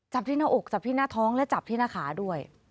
จับที่หน้าอกจับที่หน้าท้องและจับที่หน้าขาด้วย